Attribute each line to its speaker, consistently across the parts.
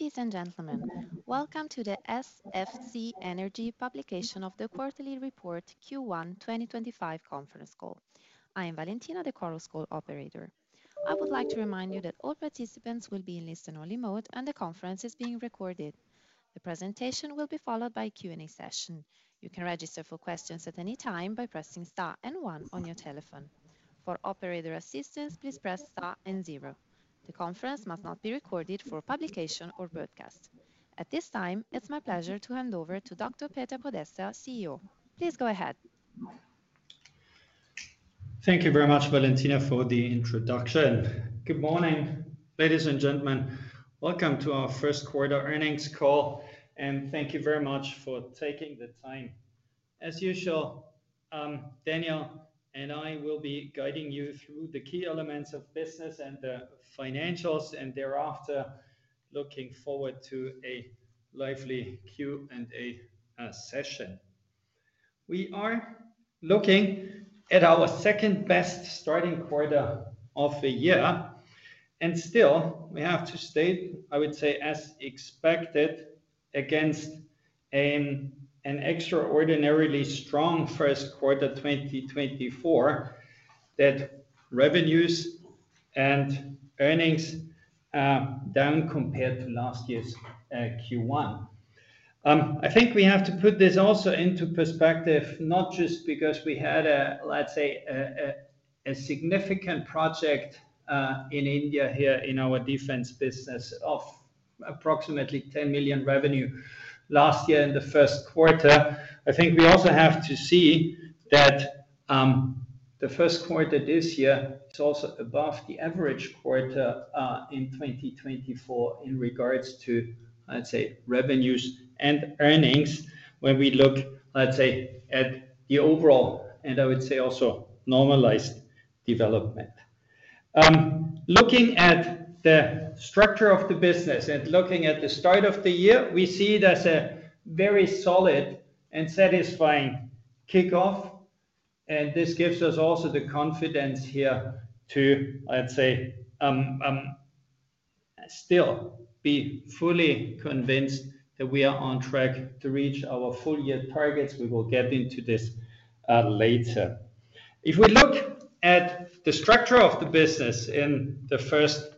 Speaker 1: Ladies and gentlemen, welcome to the SFC Energy publication of the Quarterly Report Q1 2025 conference call. I am Valentina, the conference call operator. I would like to remind you that all participants will be in listen-only mode and the conference is being recorded. The presentation will be followed by a Q&A session. You can register for questions at any time by pressing Star and 1 on your telephone. For operator assistance, please press Star and 0. The conference must not be recorded for publication or broadcast. At this time, it's my pleasure to hand over to Dr. Peter Podesser, CEO. Please go ahead.
Speaker 2: Thank you very much, Valentina, for the introduction. Good morning, ladies and gentlemen. Welcome to our first quarter earnings call, and thank you very much for taking the time. As usual, Daniel and I will be guiding you through the key elements of business and the financials, and thereafter looking forward to a lively Q&A session. We are looking at our second-best starting quarter of the year, and still we have to state, I would say, as expected, against an extraordinarily strong first quarter 2024 that revenues and earnings are down compared to last year's Q1. I think we have to put this also into perspective, not just because we had a, let's say, a significant project in India here in our defense business of approximately 10 million revenue last year in the first quarter. I think we also have to see that the first quarter this year is also above the average quarter in 2024 in regards to, I'd say, revenues and earnings when we look, let's say, at the overall, and I would say also normalized development. Looking at the structure of the business and looking at the start of the year, we see it as a very solid and satisfying kickoff, and this gives us also the confidence here to, I'd say, still be fully convinced that we are on track to reach our full year targets. We will get into this later. If we look at the structure of the business in the first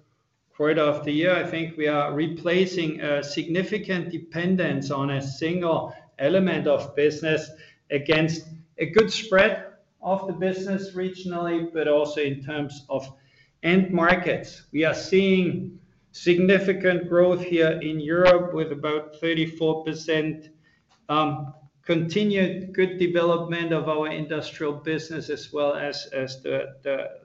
Speaker 2: quarter of the year, I think we are replacing a significant dependence on a single element of business against a good spread of the business regionally, but also in terms of end markets. We are seeing significant growth here in Europe with about 34% continued good development of our industrial business as well as the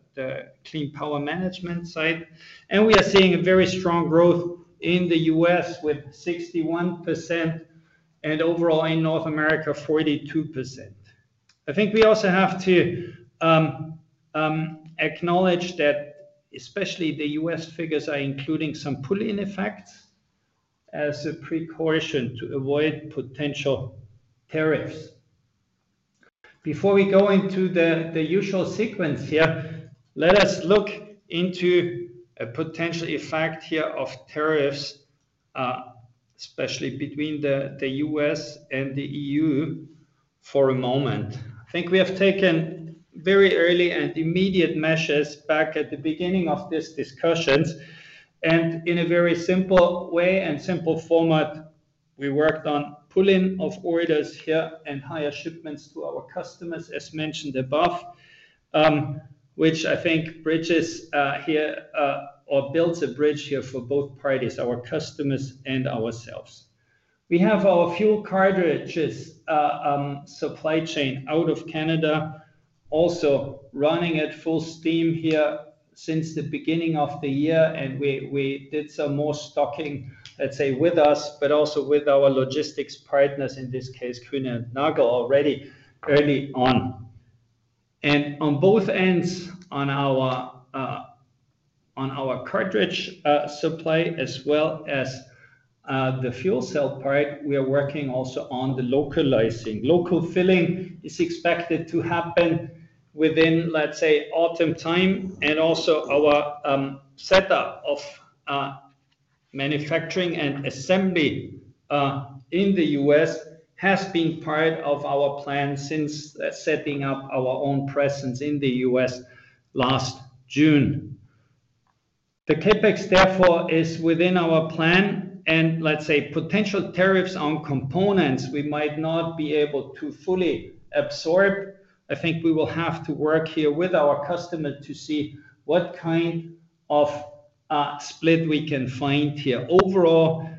Speaker 2: clean power management side. We are seeing a very strong growth in the U.S. with 61% and overall in North America 42%. I think we also have to acknowledge that especially the U.S. figures are including some pulling effects as a precaution to avoid potential tariffs. Before we go into the usual sequence here, let us look into a potential effect here of tariffs, especially between the U.S. and the EU for a moment. I think we have taken very early and immediate measures back at the beginning of these discussions, and in a very simple way and simple format, we worked on pulling off orders here and higher shipments to our customers, as mentioned above, which I think bridges here or builds a bridge here for both parties, our customers and ourselves. We have our fuel cartridges supply chain out of Canada also running at full steam here since the beginning of the year, and we did some more stocking, let's say, with us, but also with our logistics partners, in this case, Kuehne+Nagel already early on. On both ends, on our cartridge supply as well as the fuel cell part, we are working also on the localizing. Local filling is expected to happen within, let's say, autumn time, and also our setup of manufacturing and assembly in the U.S. has been part of our plan since setting up our own presence in the U.S. last June. The CapEx, therefore, is within our plan, and let's say potential tariffs on components we might not be able to fully absorb. I think we will have to work here with our customer to see what kind of split we can find here. Overall,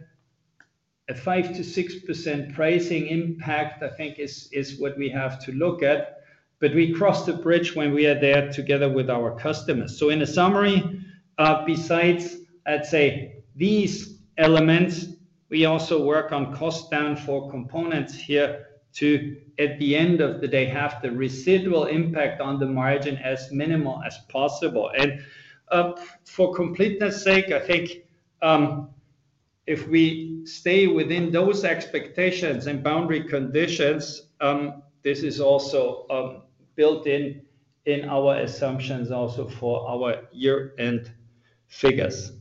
Speaker 2: a 5%-6% pricing impact, I think, is what we have to look at, but we cross the bridge when we are there together with our customers. In a summary, besides, I'd say, these elements, we also work on cost down for components here to, at the end of the day, have the residual impact on the margin as minimal as possible. For completeness' sake, I think if we stay within those expectations and boundary conditions, this is also built in our assumptions also for our year-end figures.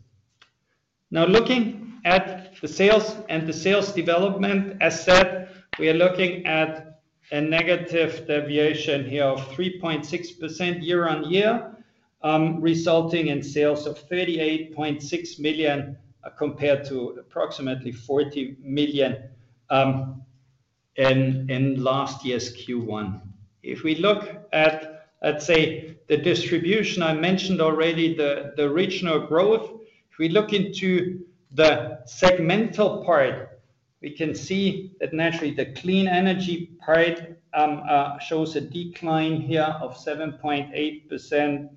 Speaker 2: Now, looking at the sales and the sales development, as said, we are looking at a negative deviation here of 3.6% year-on-year, resulting in sales of 38.6 million compared to approximately 40 million in last year's Q1. If we look at, let's say, the distribution I mentioned already, the regional growth, if we look into the segmental part, we can see that naturally the clean energy part shows a decline here of 7.8%,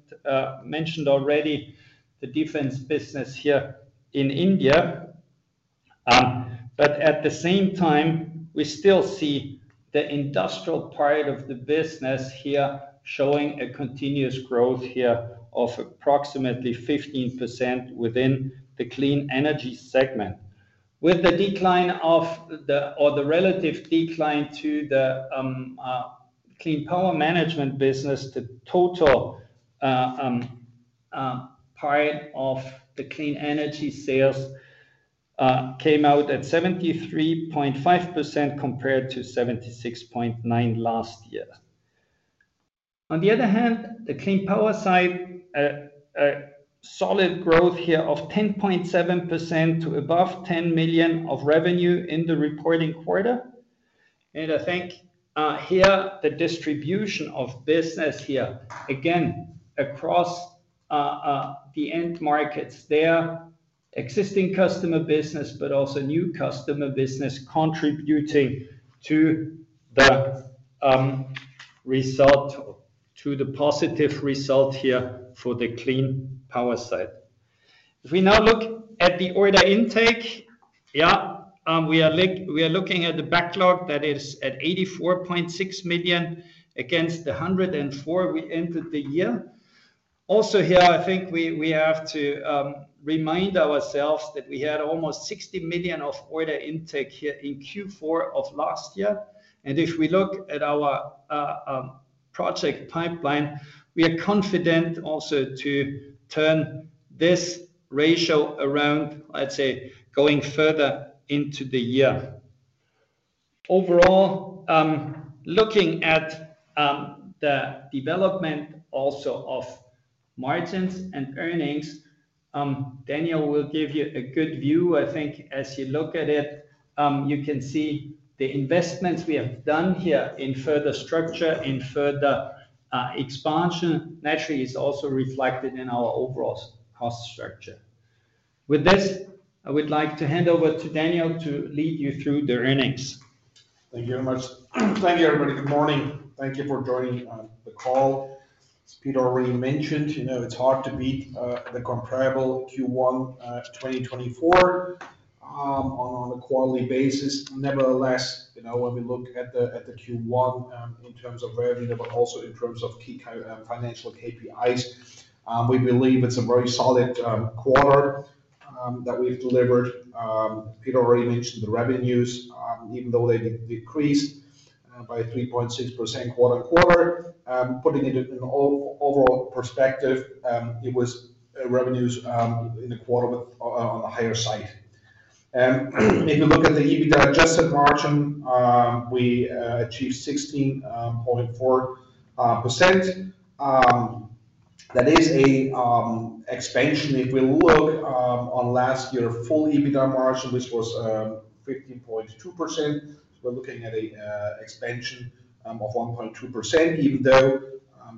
Speaker 2: mentioned already the defense business here in India. At the same time, we still see the industrial part of the business here showing a continuous growth here of approximately 15% within the clean energy segment. With the decline of the, or the relative decline to the clean power management business, the total part of the clean energy sales came out at 73.5% compared to 76.9% last year. On the other hand, the clean power side, a solid growth here of 10.7% to above 10 million of revenue in the reporting quarter. I think here the distribution of business here, again, across the end markets there, existing customer business, but also new customer business contributing to the result, to the positive result here for the clean power side. If we now look at the order intake, yeah, we are looking at the backlog that is at 84.6 million against the 104 million we entered the year. Also here, I think we have to remind ourselves that we had almost 60 million of order intake here in Q4 of last year. If we look at our project pipeline, we are confident also to turn this ratio around, I'd say, going further into the year. Overall, looking at the development also of margins and earnings, Daniel will give you a good view. I think as you look at it, you can see the investments we have done here in further structure, in further expansion, naturally is also reflected in our overall cost structure. With this, I would like to hand over to Daniel to lead you through the earnings.
Speaker 3: Thank you very much. Thank you, everybody. Good morning. Thank you for joining the call. As Peter already mentioned, you know, it's hard to beat the comparable Q1 2024 on a quarterly basis. Nevertheless, you know, when we look at the Q1 in terms of revenue, but also in terms of key financial KPIs, we believe it's a very solid quarter that we've delivered. Peter already mentioned the revenues, even though they decreased by 3.6% quarter-on-quarter. Putting it in overall perspective, it was revenues in the quarter on the higher side. If you look at the EBITDA adjusted margin, we achieved 16.4%. That is an expansion. If we look on last year's full EBITDA margin, which was 15.2%, we're looking at an expansion of 1.2%, even though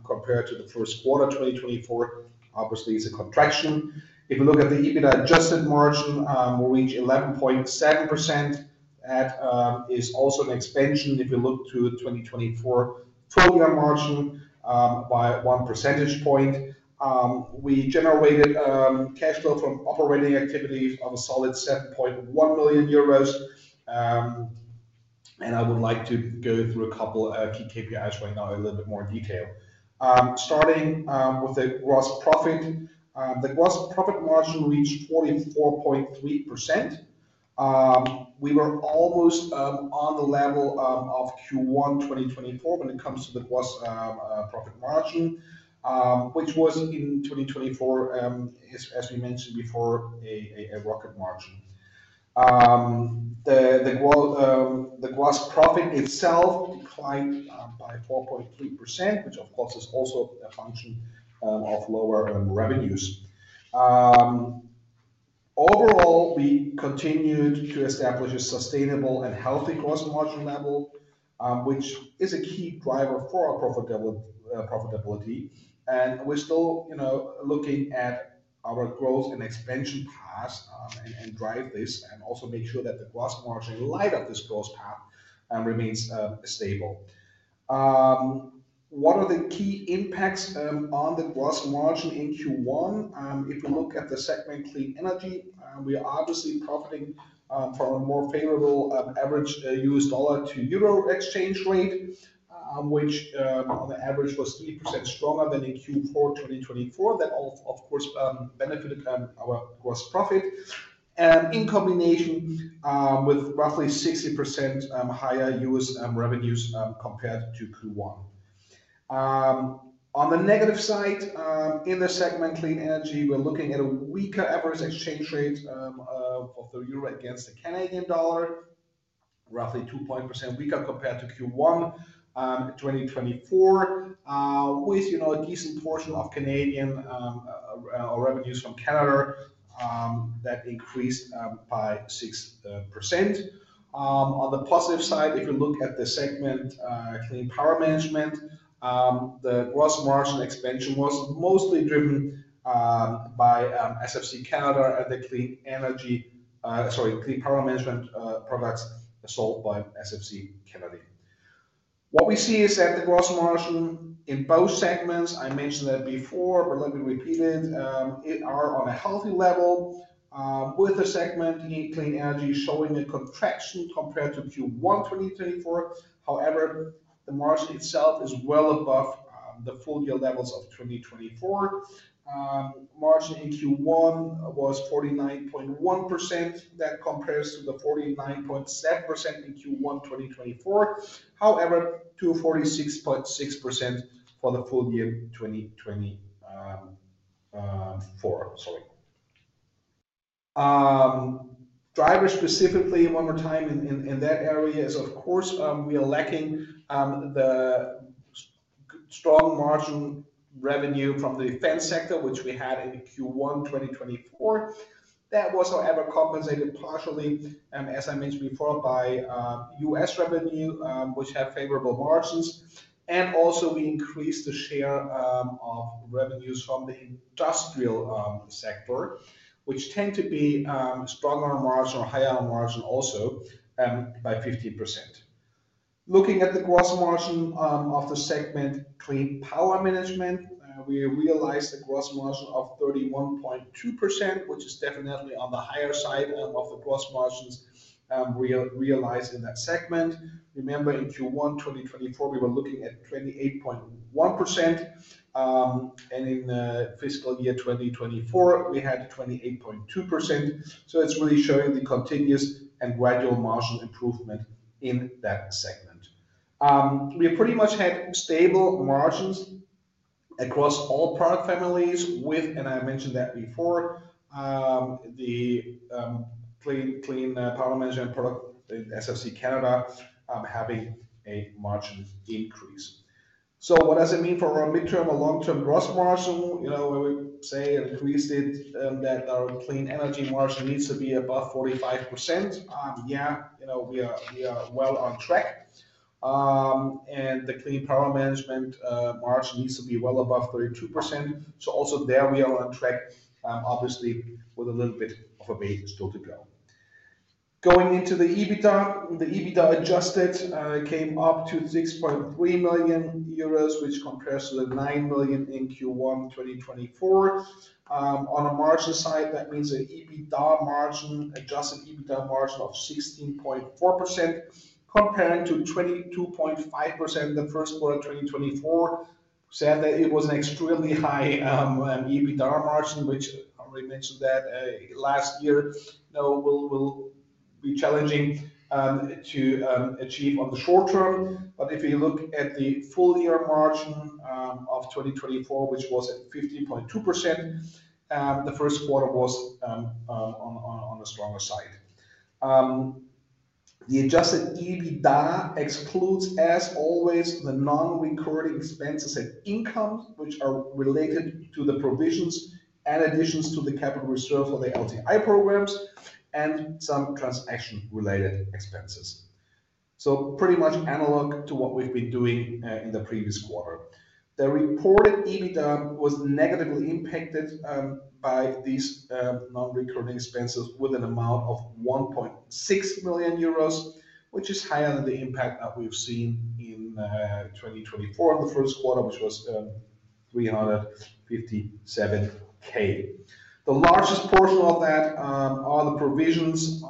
Speaker 3: compared to the first quarter 2024, obviously it's a contraction. If we look at the EBITDA adjusted margin, we reached 11.7%, that is also an expansion. If we look to 2024 full year margin by one percentage point, we generated cash flow from operating activity of a solid 7.1 million euros. I would like to go through a couple of key KPIs right now in a little bit more detail. Starting with the gross profit, the gross profit margin reached 44.3%. We were almost on the level of Q1 2024 when it comes to the gross profit margin, which was in 2024, as we mentioned before, a record margin. The gross profit itself declined by 4.3%, which of course is also a function of lower revenues. Overall, we continued to establish a sustainable and healthy gross margin level, which is a key driver for our profitability. We're still, you know, looking at our growth and expansion paths and drive this and also make sure that the gross margin in light of this growth path remains stable. What are the key impacts on the gross margin in Q1? If we look at the segment clean energy, we are obviously profiting from a more favorable average U.S. dollar to EUR exchange rate, which on average was 3% stronger than in Q4 2024. That of course benefited our gross profit in combination with roughly 60% higher US revenues compared to Q1. On the negative side, in the segment clean energy, we're looking at a weaker average exchange rate for the EUR against the CAD, roughly 2.1% weaker compared to Q1 2024, with, you know, a decent portion of Canadian revenues from Canada that increased by 6%. On the positive side, if you look at the segment clean power management, the gross margin expansion was mostly driven by SFC Canada and the clean energy, sorry, clean power management products sold by SFC Canada. What we see is that the gross margin in both segments, I mentioned that before, but let me repeat it, are on a healthy level with the segment clean energy showing a contraction compared to Q1 2024. However, the margin itself is well above the full year levels of 2024. Margin in Q1 was 49.1%. That compares to the 49.7% in Q1 2024. However, 46.6% for the full year 2024. Sorry. Drivers specifically one more time in that area is of course we are lacking the strong margin revenue from the defense sector, which we had in Q1 2024. That was, however, compensated partially, as I mentioned before, by U.S. revenue, which have favorable margins. Also, we increased the share of revenues from the industrial sector, which tend to be stronger margin or higher margin also by 15%. Looking at the gross margin of the segment clean power management, we realized a gross margin of 31.2%, which is definitely on the higher side of the gross margins we realized in that segment. Remember in Q1 2024, we were looking at 28.1%, and in fiscal year 2024, we had 28.2%. It is really showing the continuous and gradual margin improvement in that segment. We pretty much had stable margins across all product families with, and I mentioned that before, the clean power management product in SFC Canada having a margin increase. What does it mean for our midterm or long-term gross margin? You know, when we say increased it, that our clean energy margin needs to be above 45%. Yeah, you know, we are well on track. And the clean power management margin needs to be well above 32%. So also there we are on track, obviously with a little bit of a way still to go. Going into the EBITDA, the EBITDA adjusted came up to 6.3 million euros, which compares to the 9 million in Q1 2024. On a margin side, that means an EBITDA margin, adjusted EBITDA margin of 16.4% comparing to 22.5% the first quarter 2024. Said that it was an extremely high EBITDA margin, which I already mentioned that last year, you know, will be challenging to achieve on the short term. But if you look at the full year margin of 2024, which was at 15.2%, the first quarter was on the stronger side. The adjusted EBITDA excludes, as always, the non-recurring expenses and income, which are related to the provisions and additions to the capital reserve for the LTI programs and some transaction-related expenses. Pretty much analog to what we've been doing in the previous quarter. The reported EBITDA was negatively impacted by these non-recurring expenses with an amount of 1.6 million euros, which is higher than the impact that we've seen in 2024 in the first quarter, which was 357,000. The largest portion of that are the provisions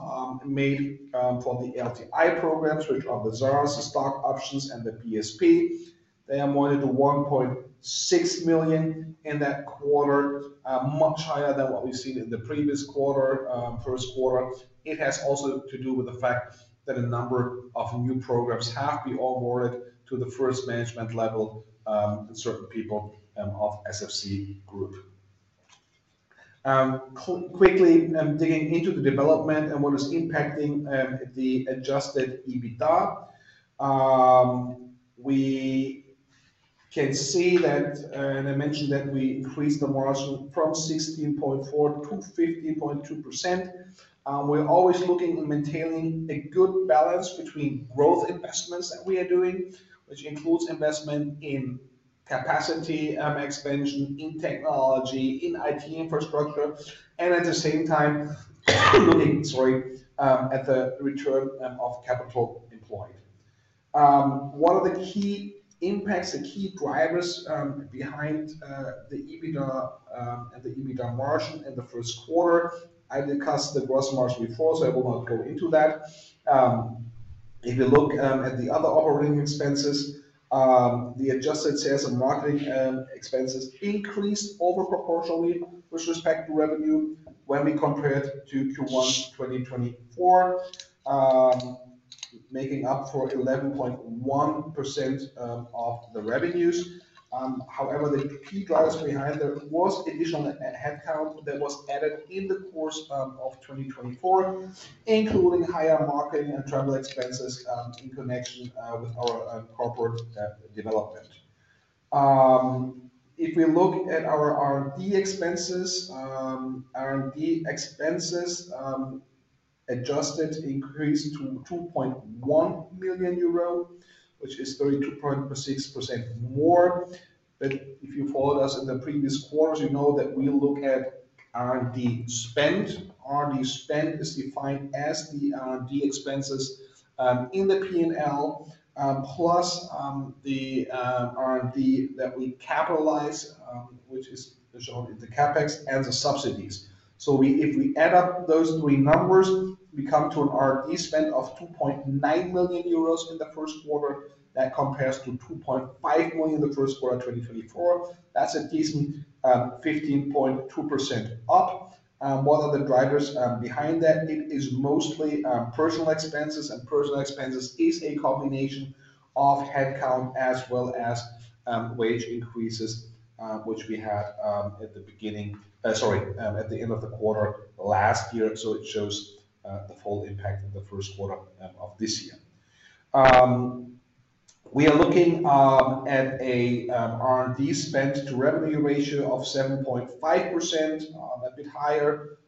Speaker 3: made for the LTI programs, which are the Zara's Stock Options and the PSP. They amounted to 1.6 million in that quarter, much higher than what we've seen in the previous quarter, first quarter. It has also to do with the fact that a number of new programs have been awarded to the first management level and certain people of SFC Group. Quickly digging into the development and what is impacting the adjusted EBITDA, we can see that, and I mentioned that we increased the margin from 16.4% to 15.2%. We are always looking and maintaining a good balance between growth investments that we are doing, which includes investment in capacity expansion, in technology, in IT infrastructure, and at the same time looking, sorry, at the return of capital employed. One of the key impacts, the key drivers behind the EBITDA and the EBITDA margin in the first quarter, I discussed the gross margin before, so I will not go into that. If you look at the other operating expenses, the adjusted sales and marketing expenses increased overproportionally with respect to revenue when we compared to Q1 2024, making up for 11.1% of the revenues. However, the key drivers behind there was additional headcount that was added in the course of 2024, including higher marketing and travel expenses in connection with our corporate development. If we look at our R&D expenses, R&D expenses adjusted increased to 2.1 million euro, which is 32.6% more. If you followed us in the previous quarters, you know that we look at R&D spend. R&D spend is defined as the R&D expenses in the P&L, plus the R&D that we capitalize, which is shown in the CapEx and the subsidies. If we add up those three numbers, we come to an R&D spend of 2.9 million euros in the first quarter that compares to 2.5 million in the first quarter 2024. That is a decent 15.2% up. What are the drivers behind that? It is mostly personnel expenses, and personnel expenses is a combination of headcount as well as wage increases, which we had at the beginning, sorry, at the end of the quarter last year. It shows the full impact of the first quarter of this year. We are looking at an R&D spend to revenue ratio of 7.5%, a bit higher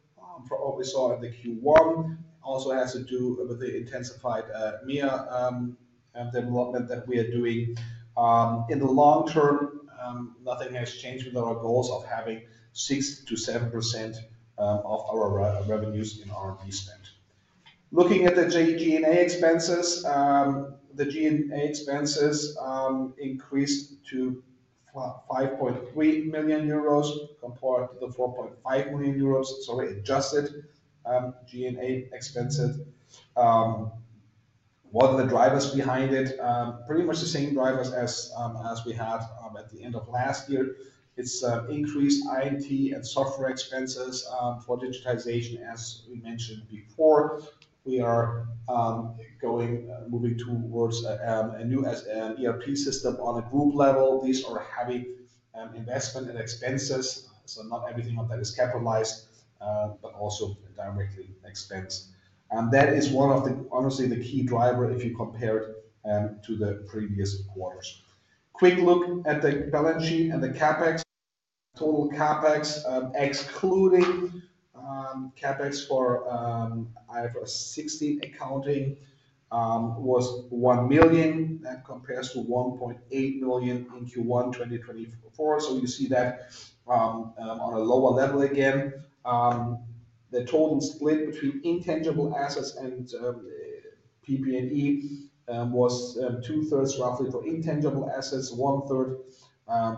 Speaker 3: from what we saw in the Q1. Also has to do with the intensified MEA development that we are doing in the long term. Nothing has changed with our goals of having 6%-7% of our revenues in R&D spend. Looking at the G&A expenses, the G&A expenses increased to 5.3 million euros compared to the 4.5 million euros, sorry, adjusted G&A expenses. What are the drivers behind it? Pretty much the same drivers as we had at the end of last year. It's increased IT and software expenses for digitization, as we mentioned before. We are going, moving towards a new ERP system on a group level. These are heavy investment and expenses. Not everything of that is capitalized, but also directly expense. That is one of the, honestly, the key driver if you compared to the previous quarters. Quick look at the balance sheet and the CapEx. Total CapEx, excluding CapEx for IFRS 16 accounting, was 1 million. That compares to 1.8 million in Q1 2024. You see that on a lower level again. The total split between intangible assets and PP&E was two-thirds roughly for intangible assets, one-third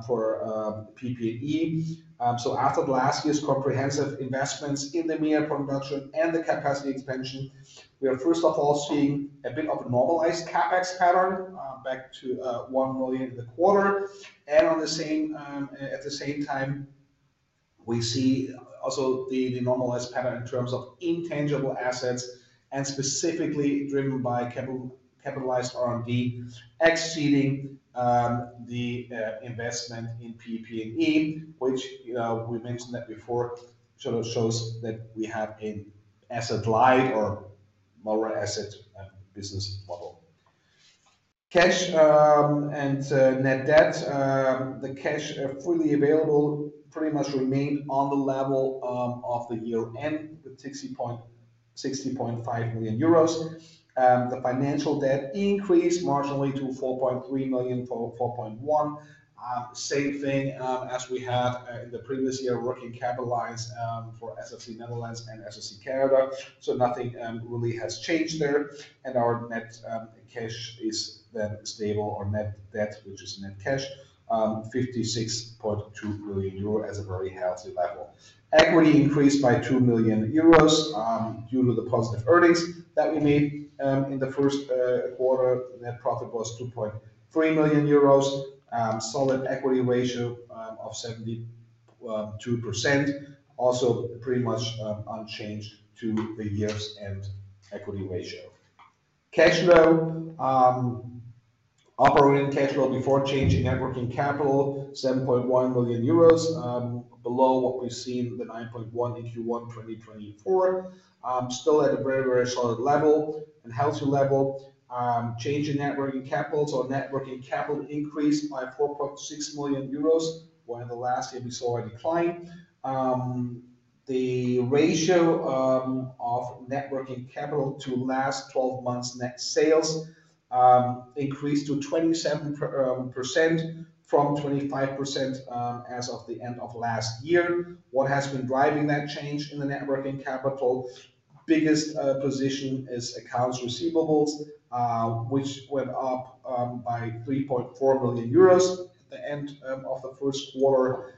Speaker 3: for PP&E. After last year's comprehensive investments in the MEA production and the capacity expansion, we are first of all seeing a bit of a normalized CapEx pattern back to 1 million in the quarter. At the same time, we see also the normalized pattern in terms of intangible assets and specifically driven by capitalized R&D exceeding the investment in PP&E, which we mentioned before sort of shows that we have an asset-light or lower asset business model. Cash and net debt, the cash freely available pretty much remained on the level of the year end with 60.5 million euros. The financial debt increased marginally to 4.3 million from 4.1 million, same thing as we had in the previous year working capitalized for SFC Netherlands and SFC Canada. Nothing really has changed there. Our net cash is then stable or net debt, which is net cash, 56.2 million euro as a very healthy level. Equity increased by 2 million euros due to the positive earnings that we made in the first quarter. Net profit was 2.3 million euros, solid equity ratio of 72%, also pretty much unchanged to the year's end equity ratio. Cash flow, operating cash flow before change in net working capital, 7.1 million euros, below what we've seen, the 9.1 million in Q1 2024, still at a very, very solid level and healthy level. Change in net working capital, so net working capital increased by 4.6 million euros, where last year we saw a decline. The ratio of net working capital to last 12 months net sales increased to 27% from 25% as of the end of last year. What has been driving that change in the net working capital? Biggest position is accounts receivables, which went up by 3.4 million euros at the end of the first quarter.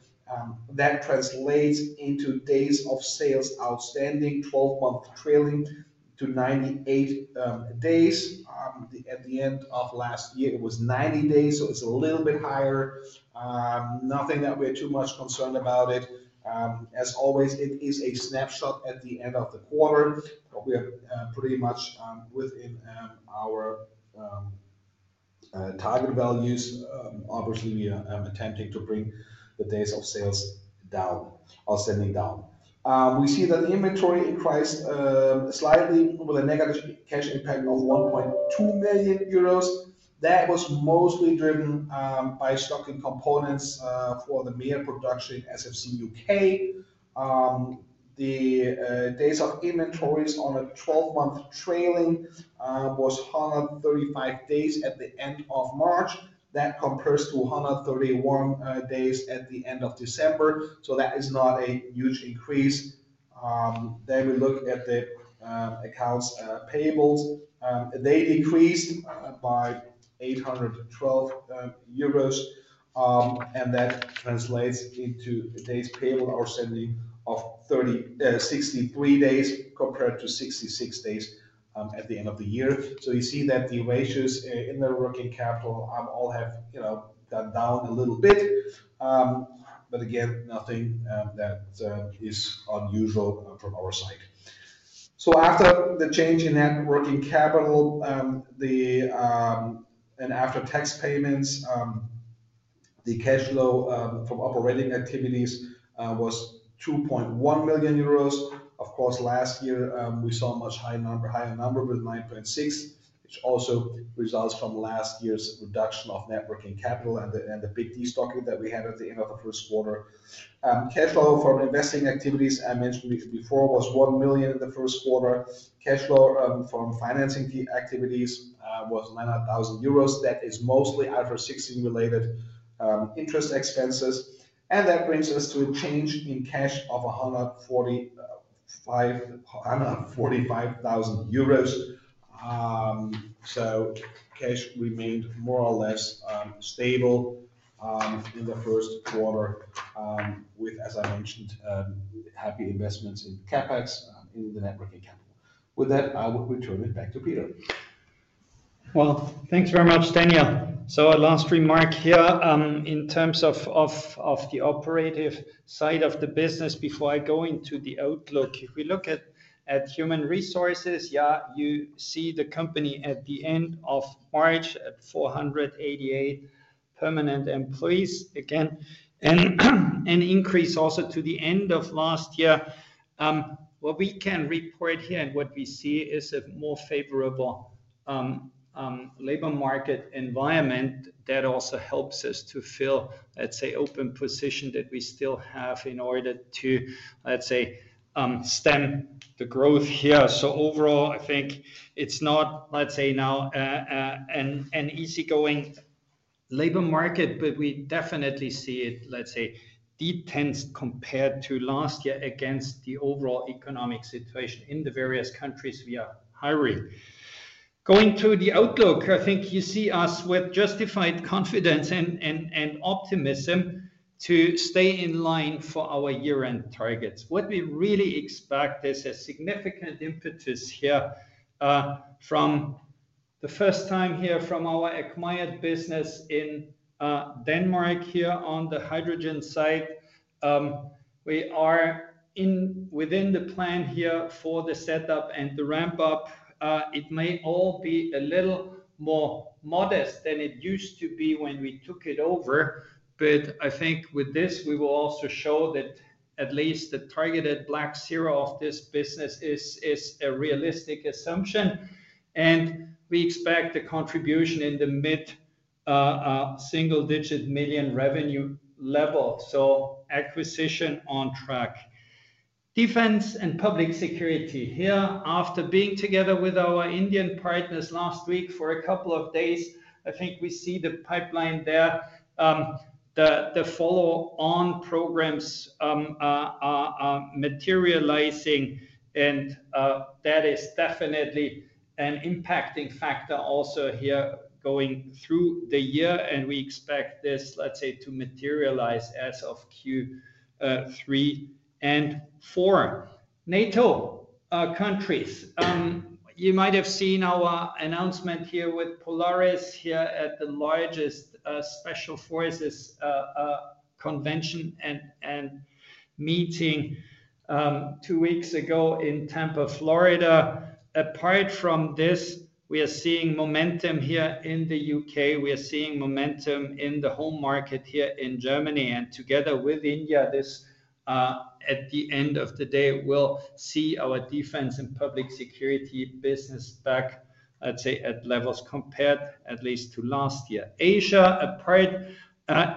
Speaker 3: That translates into days of sales outstanding, 12-month trailing, to 98 days. At the end of last year, it was 90 days, so it is a little bit higher. Nothing that we are too much concerned about. As always, it is a snapshot at the end of the quarter, but we are pretty much within our target values. Obviously, we are attempting to bring the days of sales outstanding down. We see that inventory increased slightly with a negative cash impact of 1.2 million euros. That was mostly driven by stocking components for the MEA production in SFC UK. The days of inventories on a 12-month trailing was 135 days at the end of March. That compares to 131 days at the end of December. That is not a huge increase. We look at the accounts payables. They decreased by 812 euros, and that translates into days payable outstanding of 63 days compared to 66 days at the end of the year. You see that the ratios in the working capital all have gone down a little bit. Again, nothing that is unusual from our side. After the change in net working capital and after tax payments, the cash flow from operating activities was 2.1 million euros. Of course, last year we saw a much higher number with 9.6 million, which also results from last year's reduction of net working capital and the big destocking that we had at the end of the first quarter. Cash flow from investing activities, I mentioned before, was 1 million in the first quarter. Cash flow from financing activities was 900,000 euros. That is mostly IFRS 16 related interest expenses. That brings us to a change in cash of 145,000 euros. Cash remained more or less stable in the first quarter with, as I mentioned, happy investments in CapEx in the networking capital. With that, I will return it back to Peter. Thanks very much, Daniel. A last remark here in terms of the operative side of the business before I go into the outlook. If we look at human resources, you see the company at the end of March at 488 permanent employees again and an increase also to the end of last year. What we can report here and what we see is a more favorable labor market environment that also helps us to fill, let's say, open position that we still have in order to, let's say, stem the growth here. Overall, I think it's not, let's say, now an easygoing labor market, but we definitely see it, let's say, detensed compared to last year against the overall economic situation in the various countries we are hiring. Going to the outlook, I think you see us with justified confidence and optimism to stay in line for our year-end targets. What we really expect is a significant impetus here for the first time from our acquired business in Denmark on the hydrogen side. We are within the plan for the setup and the ramp-up. It may all be a little more modest than it used to be when we took it over, but I think with this, we will also show that at least the targeted black zero of this business is a realistic assumption. We expect the contribution in the mid-single-digit million revenue level. Acquisition on track. Defense and public security here. After being together with our Indian partners last week for a couple of days, I think we see the pipeline there. The follow-on programs are materializing, and that is definitely an impacting factor also here going through the year. We expect this, let's say, to materialize as of Q3 and Q4. NATO countries. You might have seen our announcement here with Polaris at the largest Special Forces Convention and Meeting two weeks ago in Tampa, Florida. Apart from this, we are seeing momentum here in the U.K. We are seeing momentum in the home market here in Germany. Together with India, this at the end of the day, we'll see our defense and public security business back, let's say, at levels compared at least to last year. Asia apart,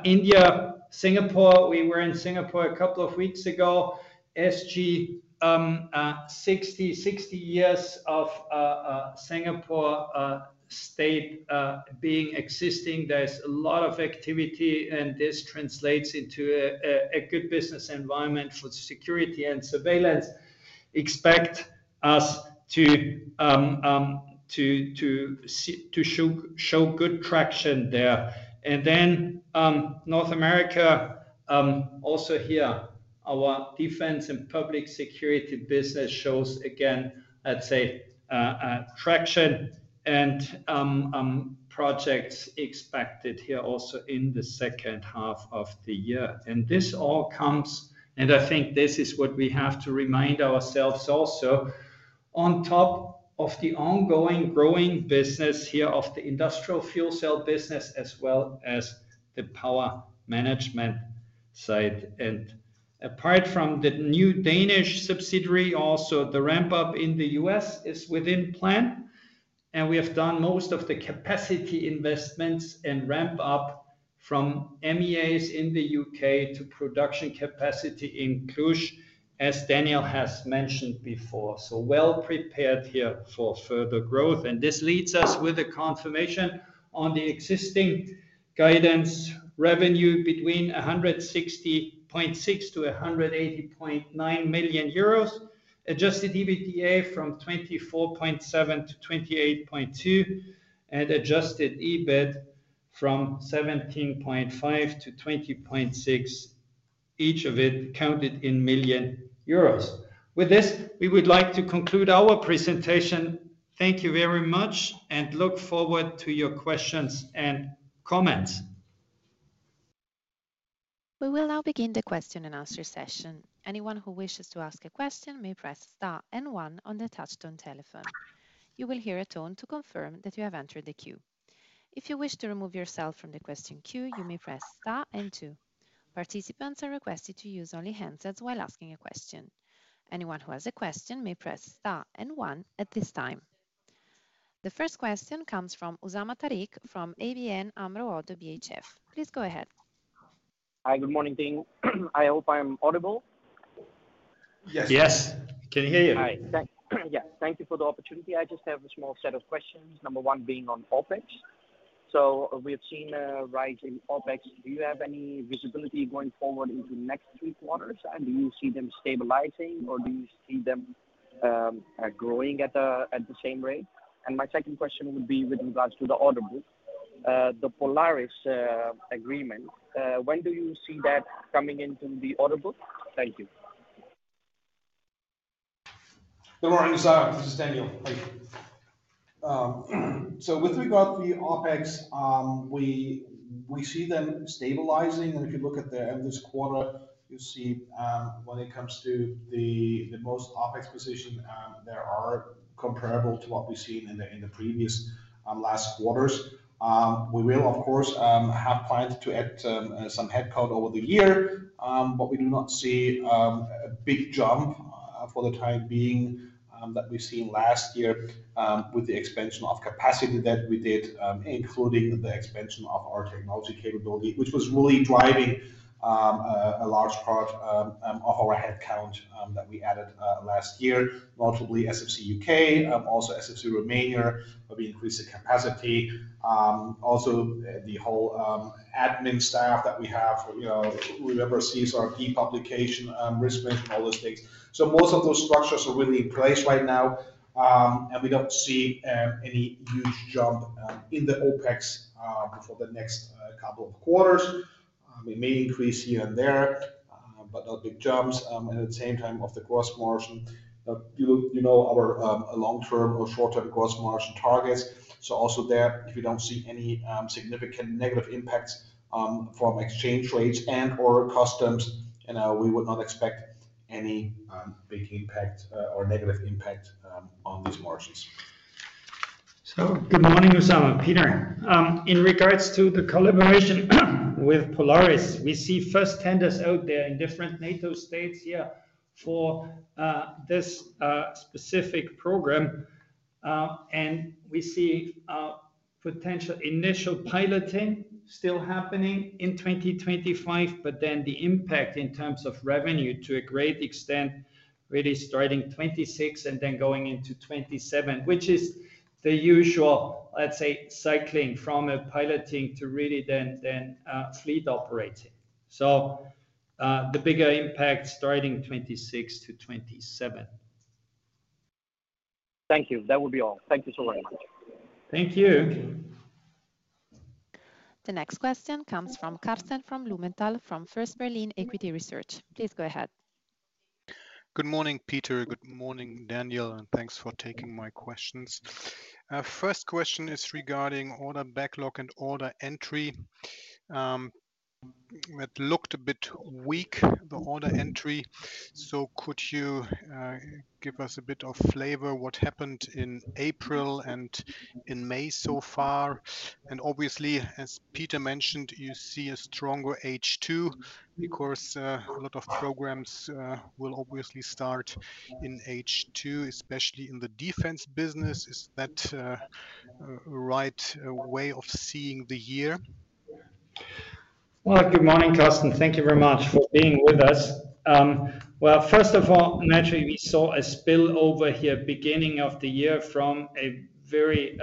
Speaker 3: India, Singapore. We were in Singapore a couple of weeks ago. SG, 60 years of Singapore state being existing. There is a lot of activity, and this translates into a good business environment for security and surveillance. Expect us to show good traction there. North America also here. Our defense and public security business shows again, let's say, traction and projects expected here also in the second half of the year. This all comes, and I think this is what we have to remind ourselves also on top of the ongoing growing business here of the industrial fuel cell business as well as the power management side. Apart from the new Danish subsidiary, also the ramp-up in the US is within plan. We have done most of the capacity investments and ramp-up from MEAs in the UK to production capacity in Cluj, as Daniel has mentioned before. are well prepared here for further growth. This leads us with a confirmation on the existing guidance: revenue between 160.6-180.9 million euros, adjusted EBITDA from 24.7 million-28.2 million, and adjusted EBIT from 17.5 million-20.6 million, each of it counted in million euros. With this, we would like to conclude our presentation. Thank you very much and look forward to your questions and comments.
Speaker 1: We will now begin the question and answer session. Anyone who wishes to ask a question may press star and one on the touchstone telephone. You will hear a tone to confirm that you have entered the queue. If you wish to remove yourself from the question queue, you may press star and two. Participants are requested to use only handsets while asking a question. Anyone who has a question may press star and one at this time. The first question comes from Usama Tariq from ABN Amro-ODDO BHF. Please go ahead.
Speaker 4: Hi, good morning, team. I hope I'm audible.
Speaker 3: Yes. Yes. Can hear you. Hi. Yes.
Speaker 4: Thank you for the opportunity. I just have a small set of questions. Number one being on OPEX. So we have seen a rise in OPEX. Do you have any visibility going forward into next three quarters? Do you see them stabilizing, or do you see them growing at the same rate? My second question would be with regards to the order book. The Polaris agreement, when do you see that coming into the order book? Thank you.
Speaker 3: Good morning, Usama. This is Daniel. Thank you. With regard to the OPEX, we see them stabilizing. If you look at the end of this quarter, you'll see when it comes to the most OPEX position, they are comparable to what we've seen in the previous last quarters. We will, of course, have planned to add some headcount over the year, but we do not see a big jump for the time being that we've seen last year with the expansion of capacity that we did, including the expansion of our technology capability, which was really driving a large part of our headcount that we added last year, notably SFC UK, also SFC Romania, where we increased the capacity. Also, the whole admin staff that we have, whoever sees our key publication, risk management, all those things. Most of those structures are really in place right now, and we don't see any huge jump in the OPEX for the next couple of quarters. We may increase here and there, but no big jumps. At the same time, of the gross margin, you know our long-term or short-term gross margin targets. Also there, if you do not see any significant negative impacts from exchange rates and/or customs, we would not expect any big impact or negative impact on these margins.
Speaker 2: Good morning, Usama. Peter, in regards to the collaboration with Polaris, we see first tenders out there in different NATO states here for this specific program. We see potential initial piloting still happening in 2025, but the impact in terms of revenue to a great extent really starting 2026 and then going into 2027, which is the usual, let's say, cycling from a piloting to really then fleet operating. The bigger impact starting 2026 to 2027. Thank you.
Speaker 4: That would be all. Thank you so very much.
Speaker 2: Thank you.
Speaker 1: The next question comes from Karsten von Blumenthal from First Berlin Equity Research. Please go ahead.
Speaker 3: Good morning, Peter.
Speaker 5: Good morning, Daniel. And thanks for taking my questions. First question is regarding order backlog and order entry. It looked a bit weak, the order entry. Could you give us a bit of flavor what happened in April and in May so far? Obviously, as Peter mentioned, you see a stronger H2 because a lot of programs will obviously start in H2, especially in the defense business. Is that the right way of seeing the year?
Speaker 3: Good morning, Karsten. Thank you very much for being with us. First of all, naturally, we saw a spillover here at the beginning of the year from a very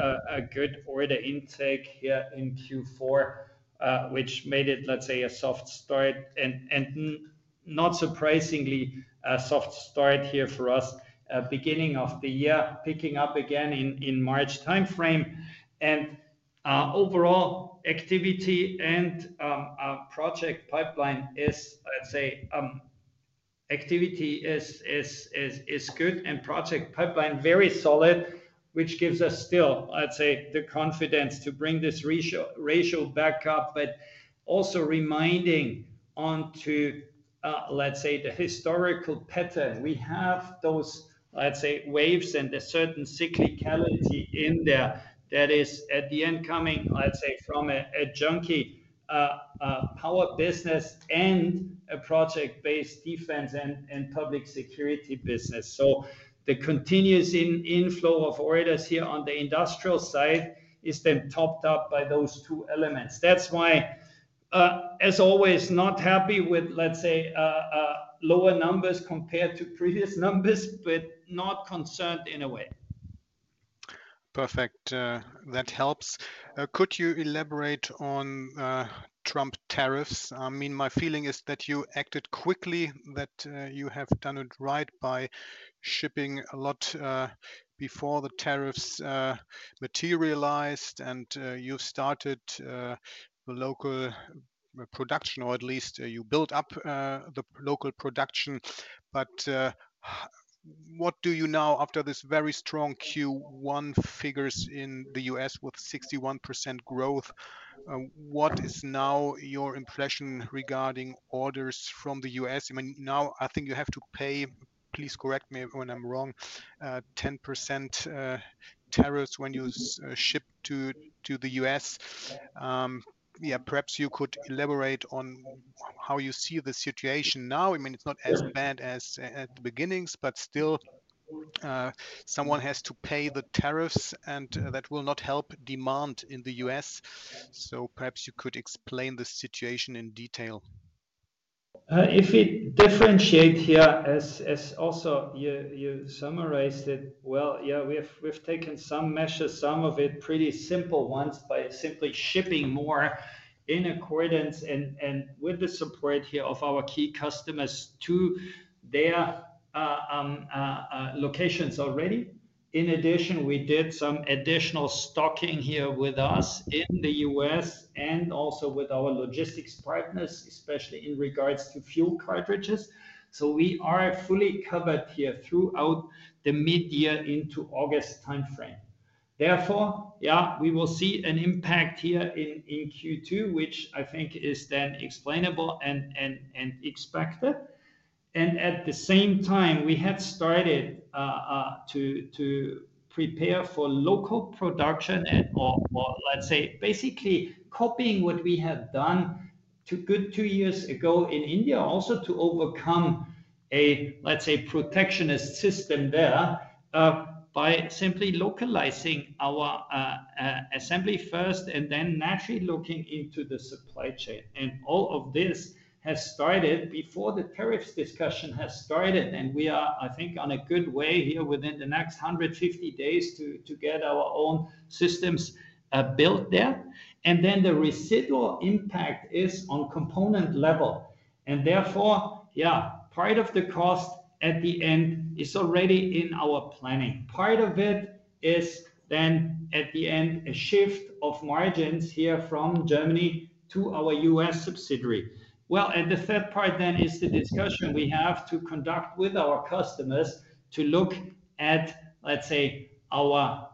Speaker 3: good order intake here in Q4, which made it, let's say, a soft start. Not surprisingly, a soft start here for us at the beginning of the year, picking up again in March timeframe. Overall, activity and project pipeline is, let's say, activity is good and project pipeline very solid, which gives us still, I'd say, the confidence to bring this ratio back up, but also reminding onto, let's say, the historical pattern. We have those, let's say, waves and a certain cyclicality in there that is at the end coming, I'd say, from a junkie power business and a project-based defense and public security business. The continuous inflow of orders here on the industrial side is then topped up by those two elements. That's why, as always, not happy with, let's say, lower numbers compared to previous numbers, but not concerned in a way.
Speaker 5: Perfect. That helps. Could you elaborate on Trump tariffs? I mean, my feeling is that you acted quickly, that you have done it right by shipping a lot before the tariffs materialized, and you have started the local production, or at least you built up the local production. What do you now after this very strong Q1 figures in the U.S. with 61% growth? What is now your impression regarding orders from the U.S.? I mean, now I think you have to pay, please correct me when I'm wrong, 10% tariffs when you ship to the U.S. Yeah, perhaps you could elaborate on how you see the situation now. I mean, it's not as bad as at the beginnings, but still, someone has to pay the tariffs, and that will not help demand in the U.S. Perhaps you could explain the situation in detail.
Speaker 3: If we differentiate here, as also you summarized it, yeah, we've taken some measures, some of it pretty simple ones by simply shipping more in accordance and with the support here of our key customers to their locations already. In addition, we did some additional stocking here with us in the U.S. and also with our logistics partners, especially in regards to fuel cartridges. We are fully covered here throughout the mid-year into August timeframe. Therefore, yeah, we will see an impact here in Q2, which I think is then explainable and expected. At the same time, we had started to prepare for local production and, let's say, basically copying what we had done two years ago in India also to overcome a, let's say, protectionist system there by simply localizing our assembly first and then naturally looking into the supply chain. All of this has started before the tariffs discussion has started. We are, I think, on a good way here within the next 150 days to get our own systems built there. The residual impact is on component level. Therefore, part of the cost at the end is already in our planning. Part of it is then at the end a shift of margins here from Germany to our U.S. subsidiary. The third part is the discussion we have to conduct with our customers to look at, let's say, our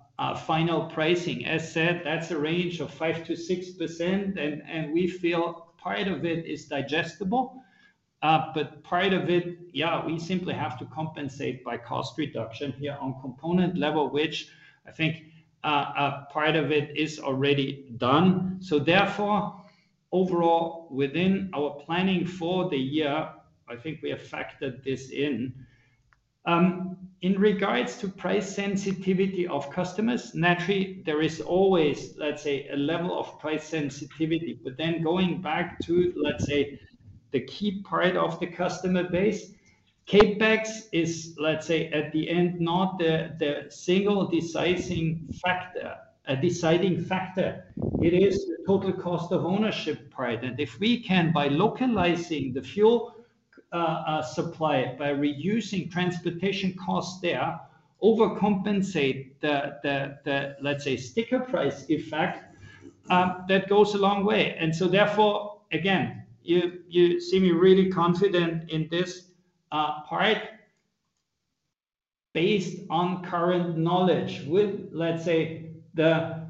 Speaker 3: final pricing. As said, that is a range of 5%-6%, and we feel part of it is digestible. Part of it, we simply have to compensate by cost reduction here on component level, which I think part of it is already done. Therefore, overall, within our planning for the year, I think we have factored this in. In regards to price sensitivity of customers, naturally, there is always, let's say, a level of price sensitivity. Then going back to, let's say, the key part of the customer base, CapEx is, let's say, at the end, not the single deciding factor. It is the total cost of ownership part. If we can, by localizing the fuel supply, by reducing transportation costs there, overcompensate the, let's say, sticker price effect, that goes a long way. Therefore, again, you see me really confident in this part based on current knowledge with, let's say, the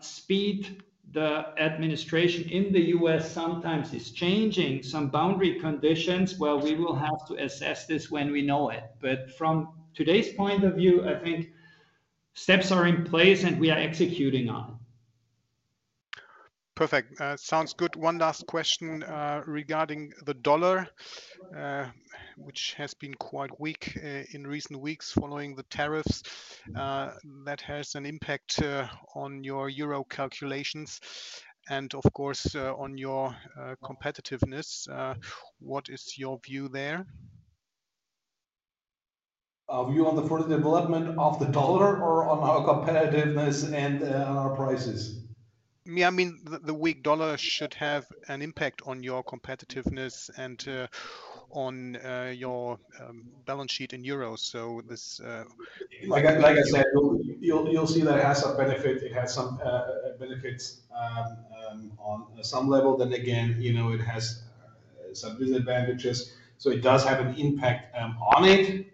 Speaker 3: speed the administration in the US sometimes is changing some boundary conditions. We will have to assess this when we know it. From today's point of view, I think steps are in place and we are executing on it.
Speaker 5: Perfect. Sounds good. One last question regarding the dollar, which has been quite weak in recent weeks following the tariffs. That has an impact on your euro calculations and, of course, on your competitiveness. What is your view there? Are you on the further development of the dollar or on our competitiveness and our prices?
Speaker 3: I mean, the weak dollar should have an impact on your competitiveness and on your balance sheet in euros. Like I said, you'll see that it has some benefits. It has some benefits on some level. Then again, it has some disadvantages. It does have an impact on it,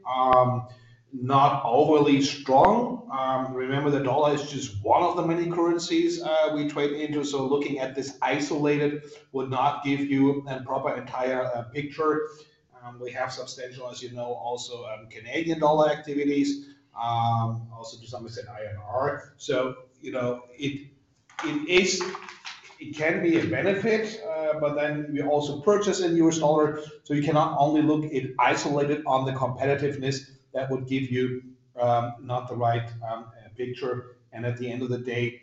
Speaker 3: not overly strong. Remember, the dollar is just one of the many currencies we trade into. Looking at this isolated would not give you a proper entire picture. We have substantial, as you know, also CAD activities, also to some extent INR. It can be a benefit, but then we also purchase in USD. You cannot only look at it isolated on the competitiveness. That would not give you the right picture. At the end of the day,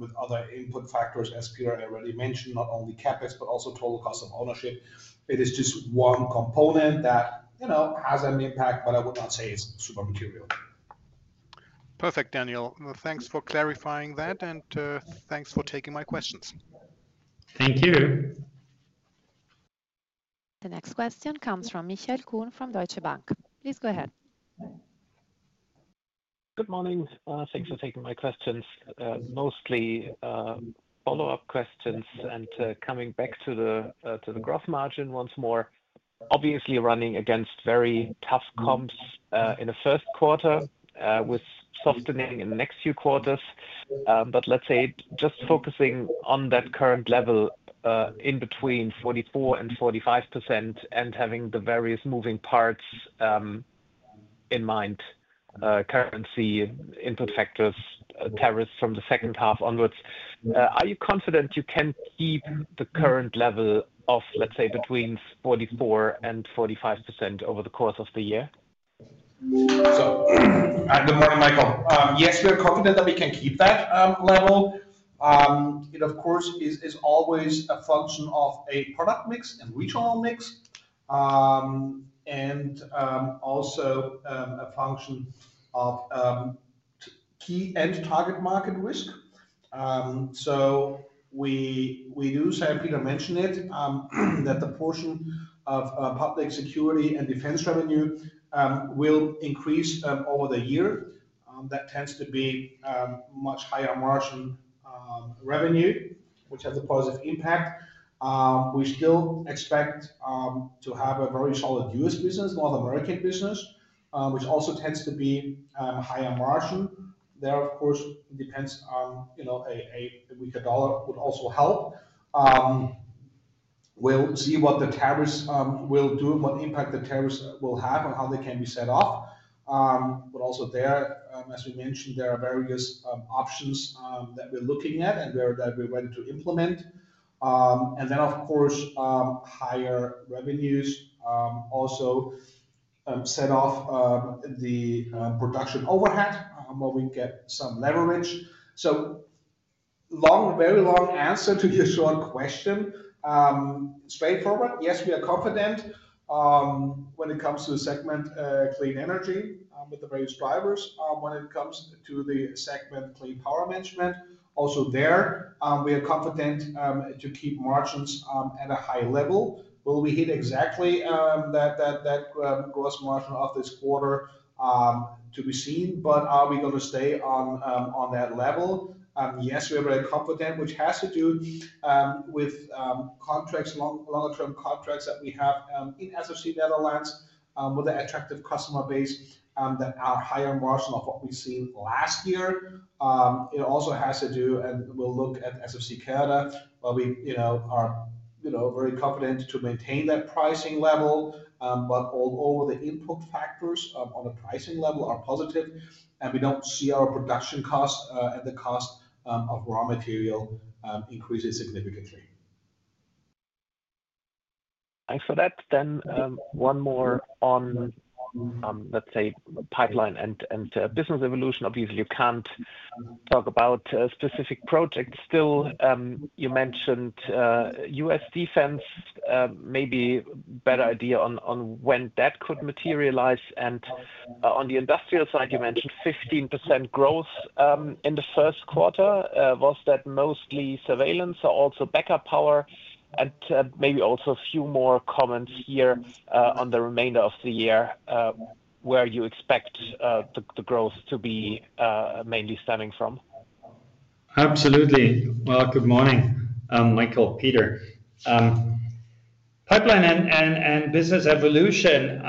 Speaker 3: with other input factors, as Peter already mentioned, not only CapEx, but also total cost of ownership, it is just one component that has an impact, but I would not say it is super material.
Speaker 5: Perfect, Daniel. Thanks for clarifying that, and thanks for taking my questions. Thank you.
Speaker 1: The next question comes from Michael Kuhn from Deutsche Bank. Please go ahead.
Speaker 6: Good morning. Thanks for taking my questions. Mostly follow-up questions and coming back to the gross margin once more. Obviously, running against very tough comps in the first quarter with softening in the next few quarters. Let's say just focusing on that current level in between 44%-45% and having the various moving parts in mind, currency, input factors, tariffs from the second half onwards. Are you confident you can keep the current level of, let's say, between 44%-45% over the course of the year?
Speaker 3: Good morning, Michael. Yes, we're confident that we can keep that level. It, of course, is always a function of a product mix and regional mix and also a function of key and target market risk. We do, as Peter mentioned, see that the portion of public security and defense revenue will increase over the year. That tends to be much higher margin revenue, which has a positive impact. We still expect to have a very solid U.S. business, North American business, which also tends to be higher margin. There, of course, depends on a weaker dollar would also help. We will see what the tariffs will do, what impact the tariffs will have on how they can be set off. There, as we mentioned, there are various options that we are looking at and that we are ready to implement. Of course, higher revenues also set off the production overhead where we get some leverage. Very long answer to your short question. Straightforward, yes, we are confident when it comes to the segment clean energy with the various drivers. When it comes to the segment clean power management, also there, we are confident to keep margins at a high level. Will we hit exactly that gross margin of this quarter? To be seen. Are we going to stay on that level? Yes, we are very confident, which has to do with longer-term contracts that we have in SFC Netherlands with an attractive customer base that are higher margin than what we have seen last year. It also has to do, and we will look at SFC Canada, where we are very confident to maintain that pricing level. All over, the input factors on the pricing level are positive, and we do not see our production costs and the cost of raw material increasing significantly.
Speaker 6: Thanks for that. One more on, let's say, pipeline and business evolution. Obviously, you cannot talk about specific projects. Still, you mentioned U.S. defense, maybe a better idea on when that could materialize. On the industrial side, you mentioned 15% growth in the first quarter. Was that mostly surveillance or also backup power? Maybe also a few more comments here on the remainder of the year where you expect the growth to be mainly stemming from.
Speaker 2: Absolutely. Good morning, Michael, Peter. Pipeline and business evolution,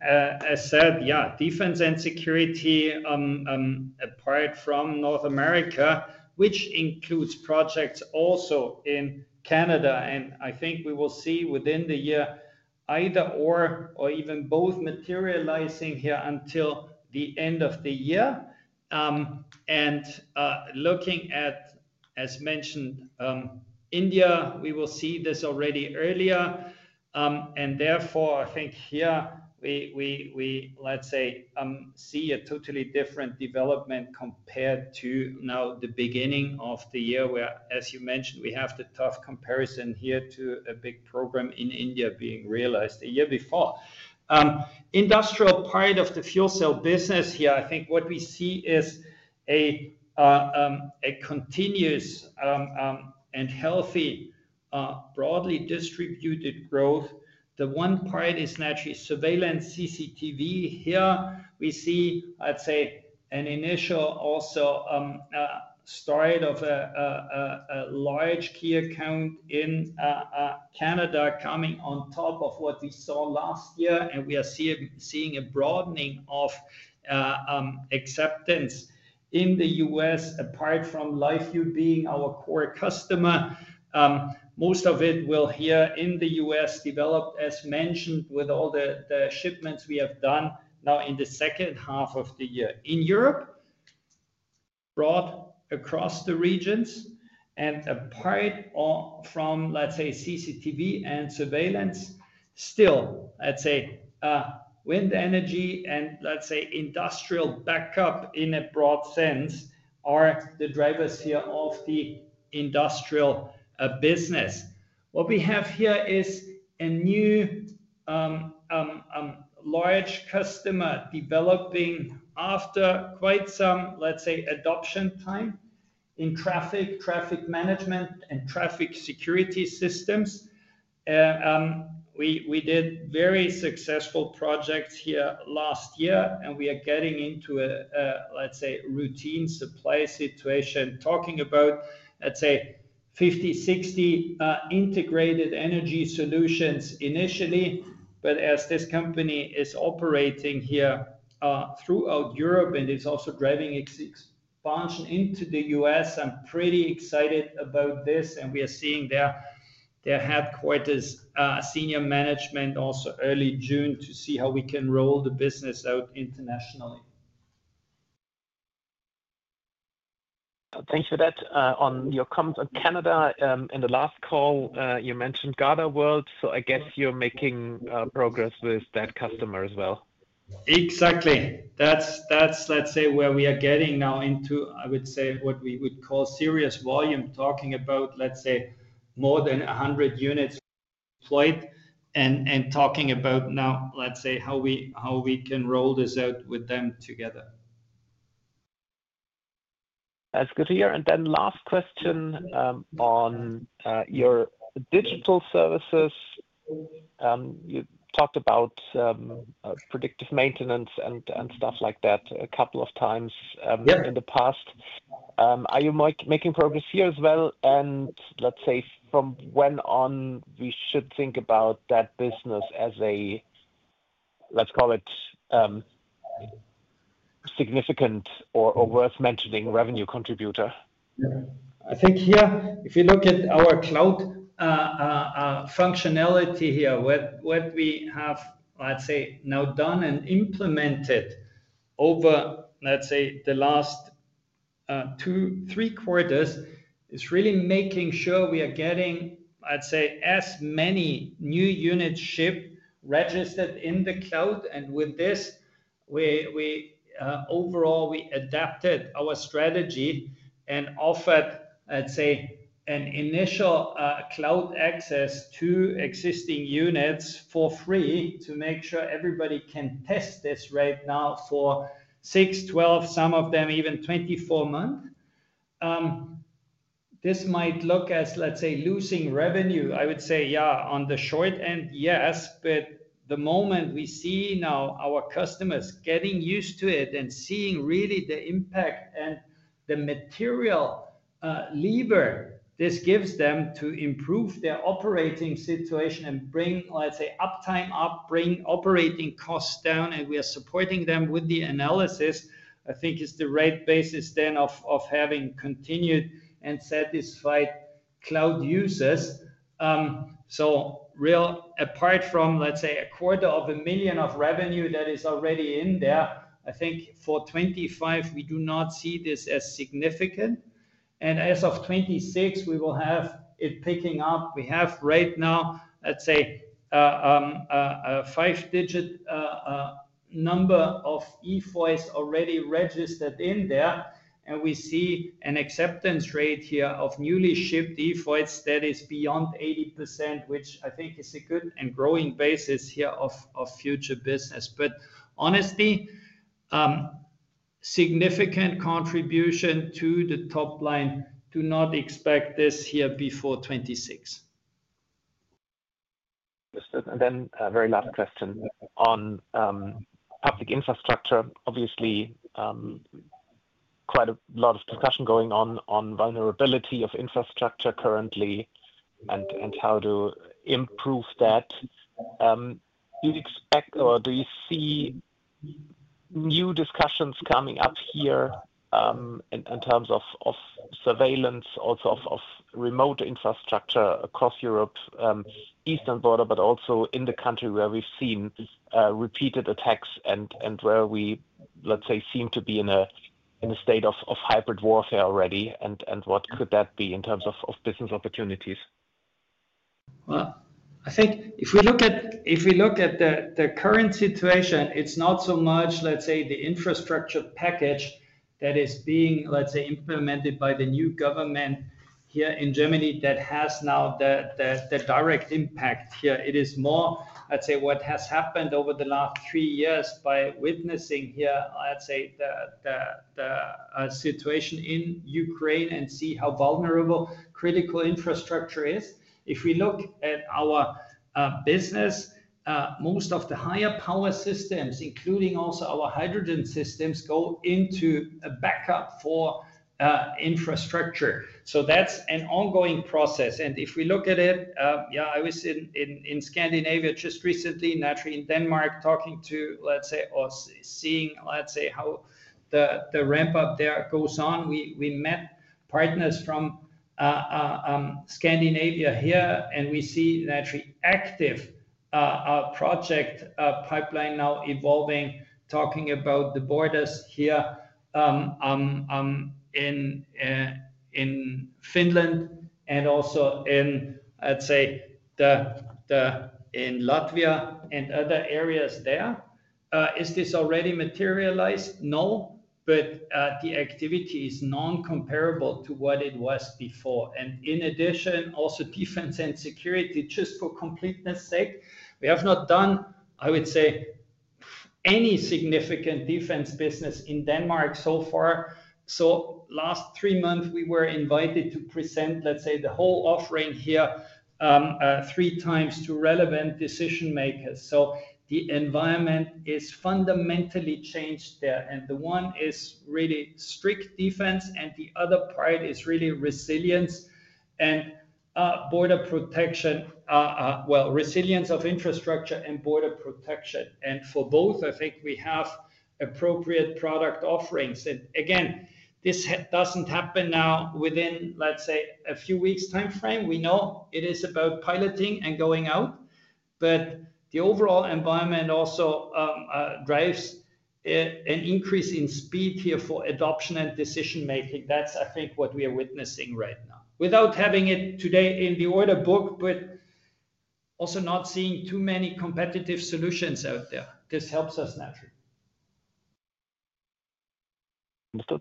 Speaker 2: as said, yeah, defense and security apart from North America, which includes projects also in Canada. I think we will see within the year either or or even both materializing here until the end of the year. Looking at, as mentioned, India, we will see this already earlier. Therefore, I think here, let's say, see a totally different development compared to now the beginning of the year where, as you mentioned, we have the tough comparison here to a big program in India being realized a year before. Industrial part of the fuel cell business here, I think what we see is a continuous and healthy broadly distributed growth. The one part is naturally surveillance CCTV. Here we see, I'd say, an initial also start of a large key account in Canada coming on top of what we saw last year. We are seeing a broadening of acceptance in the U.S. apart from LifeU being our core customer. Most of it will here in the U.S. developed, as mentioned, with all the shipments we have done now in the second half of the year in Europe, broad across the regions. Apart from, let's say, CCTV and surveillance, still, let's say, wind energy and, let's say, industrial backup in a broad sense are the drivers here of the industrial business. What we have here is a new large customer developing after quite some, let's say, adoption time in traffic management and traffic security systems. We did very successful projects here last year, and we are getting into, let's say, routine supply situation, talking about, let's say, 50-60 integrated energy solutions initially. As this company is operating here throughout Europe and is also driving its expansion into the U.S., I'm pretty excited about this. We are seeing their headquarters, senior management, also early June to see how we can roll the business out internationally.
Speaker 6: Thanks for that. On your comments on Canada, in the last call, you mentioned Garda World. I guess you're making progress with that customer as well.
Speaker 2: Exactly. That's, let's say, where we are getting now into, I would say, what we would call serious volume, talking about, let's say, more than 100 units deployed and talking about now, let's say, how we can roll this out with them together.
Speaker 6: That's good to hear. Last question on your digital services. You talked about predictive maintenance and stuff like that a couple of times in the past. Are you making progress here as well? From when on should we think about that business as a, let's call it, significant or worth mentioning revenue contributor?
Speaker 2: I think here, if you look at our cloud functionality, what we have now done and implemented over the last two, three quarters is really making sure we are getting, I'd say, as many new units shipped registered in the cloud. With this, overall, we adapted our strategy and offered, I'd say, an initial cloud access to existing units for free to make sure everybody can test this right now for 6, 12, some of them even 24 months. This might look as losing revenue. I would say, yeah, on the short end, yes. The moment we see now our customers getting used to it and seeing really the impact and the material lever this gives them to improve their operating situation and bring, let's say, uptime up, bring operating costs down, and we are supporting them with the analysis, I think, is the right basis then of having continued and satisfied cloud users. Apart from, let's say, a quarter of a million of revenue that is already in there, I think for 2025, we do not see this as significant. As of 2026, we will have it picking up. We have right now, let's say, a five-digit number of eFOYs already registered in there. We see an acceptance rate here of newly shipped eFOYs that is beyond 80%, which I think is a good and growing basis here of future business. Honestly, significant contribution to the top line. Do not expect this here before 2026.
Speaker 6: Understood. A very last question on public infrastructure. Obviously, quite a lot of discussion going on on vulnerability of infrastructure currently and how to improve that. Do you expect or do you see new discussions coming up here in terms of surveillance, also of remote infrastructure across Europe, eastern border, but also in the country where we've seen repeated attacks and where we, let's say, seem to be in a state of hybrid warfare already? What could that be in terms of business opportunities?
Speaker 2: I think if we look at the current situation, it's not so much, let's say, the infrastructure package that is being, let's say, implemented by the new government here in Germany that has now the direct impact here. It is more, I'd say, what has happened over the last three years by witnessing here, I'd say, the situation in Ukraine and see how vulnerable critical infrastructure is. If we look at our business, most of the higher power systems, including also our hydrogen systems, go into a backup for infrastructure. That is an ongoing process. If we look at it, yeah, I was in Scandinavia just recently, naturally in Denmark, talking to, let's say, or seeing, let's say, how the ramp-up there goes on. We met partners from Scandinavia here, and we see naturally active project pipeline now evolving, talking about the borders here in Finland and also in, I'd say, in Latvia and other areas there. Is this already materialized? No. The activity is non-comparable to what it was before. In addition, also defense and security, just for completeness' sake, we have not done, I would say, any significant defense business in Denmark so far. The last three months, we were invited to present, let's say, the whole offering here three times to relevant decision-makers. The environment is fundamentally changed there. The one is really strict defense, and the other part is really resilience and border protection, resilience of infrastructure and border protection. For both, I think we have appropriate product offerings. This doesn't happen now within, let's say, a few weeks' time frame. We know it is about piloting and going out. The overall environment also drives an increase in speed here for adoption and decision-making. That is, I think, what we are witnessing right now. Without having it today in the order book, but also not seeing too many competitive solutions out there. This helps us naturally.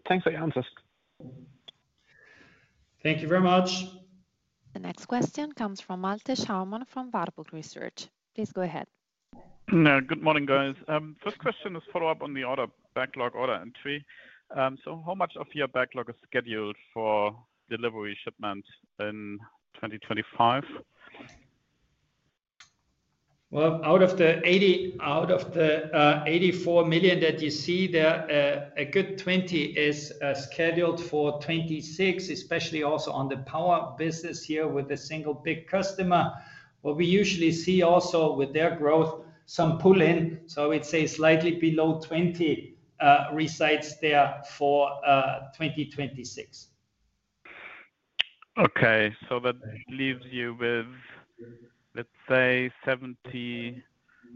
Speaker 6: Thanks for your answers.
Speaker 2: Thank you very much.
Speaker 1: The next question comes from Malte Schaumann from Warburg Research. Please go ahead.
Speaker 7: Good morning, guys. First question is follow-up on the order backlog order entry. How much of your backlog is scheduled for delivery shipment in 2025?
Speaker 2: Out of the 84 million that you see there, a good 20 million is scheduled for 2026, especially also on the power business here with a single big customer. What we usually see also with their growth, some pull-in. I would say slightly below 20 resides there for 2026. Okay. That leaves you with, let's say, 70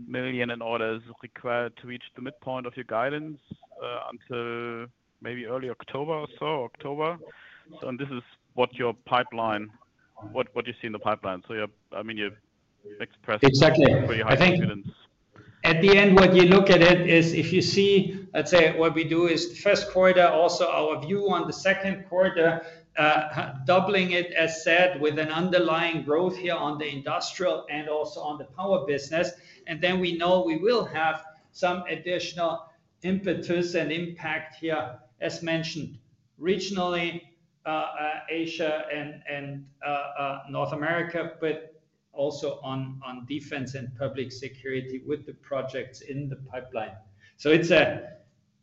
Speaker 2: million in orders required to reach the midpoint of your guidance until maybe early October or so, October. This is what you see in the pipeline. I mean, you expressed pretty high incidence. Exactly. I think at the end, what you look at is if you see, let's say, what we do is the first quarter, also our view on the second quarter, doubling it, as said, with an underlying growth here on the industrial and also on the power business. Then we know we will have some additional impetus and impact here, as mentioned, regionally, Asia and North America, but also on defense and public security with the projects in the pipeline. It's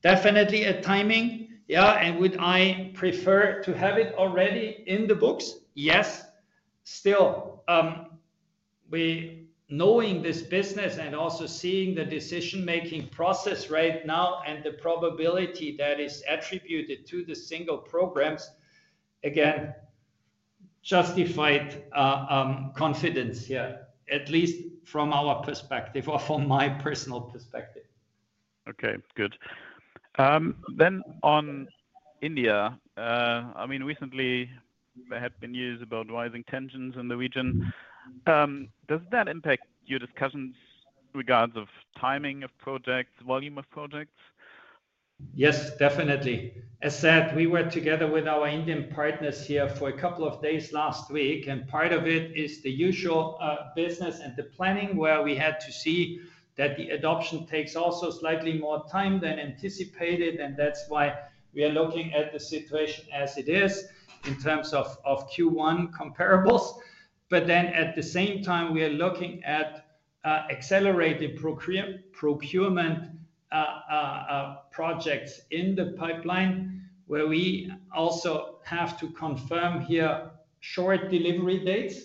Speaker 2: definitely a timing. Yeah. Would I prefer to have it already in the books? Yes. Still, knowing this business and also seeing the decision-making process right now and the probability that is attributed to the single programs, again, justified confidence here, at least from our perspective or from my personal perspective.
Speaker 7: Okay. Good. On India, I mean, recently, there have been news about rising tensions in the region. Does that impact your discussions regarding timing of projects, volume of projects?
Speaker 2: Yes, definitely. As said, we were together with our Indian partners here for a couple of days last week. Part of it is the usual business and the planning where we had to see that the adoption takes also slightly more time than anticipated. That is why we are looking at the situation as it is in terms of Q1 comparables. At the same time, we are looking at accelerated procurement projects in the pipeline where we also have to confirm here short delivery dates.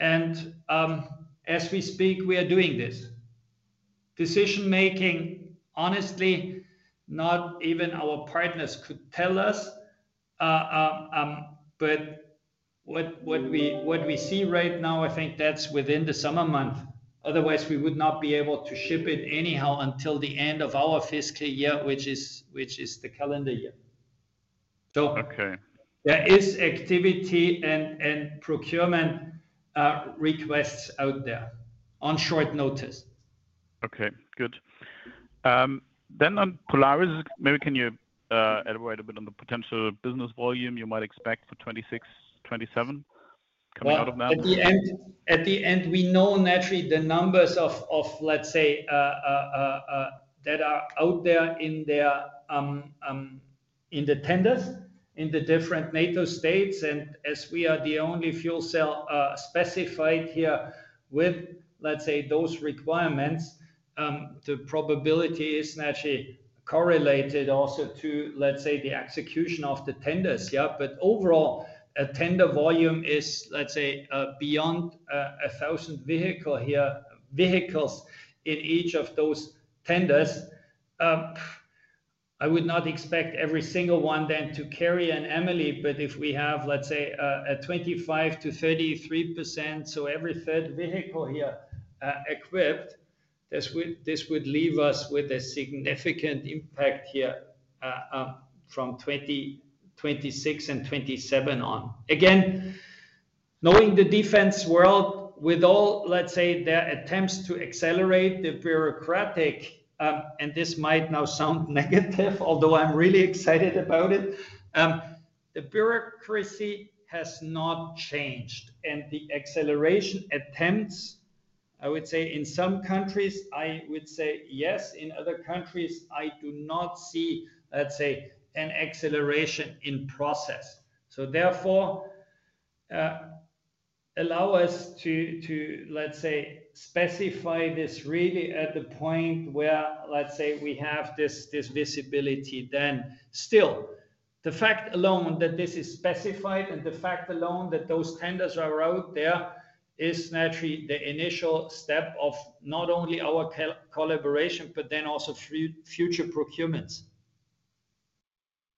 Speaker 2: As we speak, we are doing this. Decision-making, honestly, not even our partners could tell us. What we see right now, I think that is within the summer month. Otherwise, we would not be able to ship it anyhow until the end of our fiscal year, which is the calendar year. There is activity and procurement requests out there on short notice.
Speaker 7: Okay. Good. On Polaris, maybe can you elaborate a bit on the potential business volume you might expect for 2026, 2027 coming out of now?
Speaker 2: At the end, we know naturally the numbers of, let's say, that are out there in the tenders in the different NATO states. As we are the only fuel cell specified here with, let's say, those requirements, the probability is naturally correlated also to, let's say, the execution of the tenders. Yeah. Overall, a tender volume is, let's say, beyond 1,000 vehicles in each of those tenders. I would not expect every single one then to carry an Emily. If we have, let's say, a 25%-33%, so every third vehicle here equipped, this would leave us with a significant impact here from 2026 and 2027 on. Again, knowing the defense world, with all, let's say, their attempts to accelerate the bureaucratic—and this might now sound negative, although I'm really excited about it—the bureaucracy has not changed. The acceleration attempts, I would say, in some countries, I would say yes. In other countries, I do not see, let's say, an acceleration in process. Therefore, allow us to, let's say, specify this really at the point where, let's say, we have this visibility then. Still, the fact alone that this is specified and the fact alone that those tenders are out there is naturally the initial step of not only our collaboration, but then also future procurements.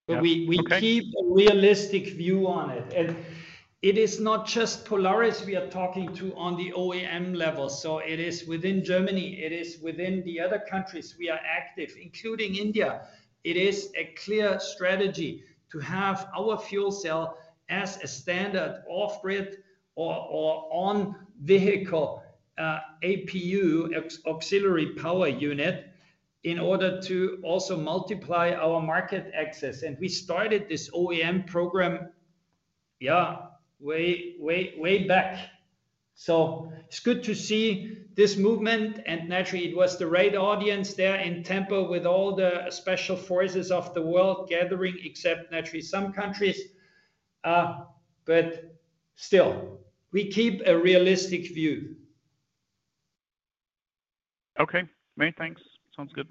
Speaker 2: We keep a realistic view on it. It is not just Polaris we are talking to on the OEM level. It is within Germany. It is within the other countries we are active, including India. It is a clear strategy to have our fuel cell as a standard off-grid or on-vehicle APU, auxiliary power unit, in order to also multiply our market access. We started this OEM program, yeah, way back. It is good to see this movement. Naturally, it was the right audience there in Tampa with all the special forces of the world gathering, except naturally some countries. Still, we keep a realistic view.
Speaker 7: Okay. Many thanks. Sounds good.